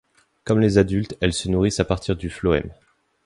Comme les adultes, elles se nourrissent à partir du phloème.